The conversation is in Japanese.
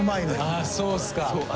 あぁそうっすか。